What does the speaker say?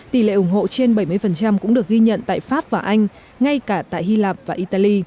tỷ lệ ủng hộ trên bảy mươi cũng được ghi nhận tại pháp và anh ngay cả tại hy lạp và italy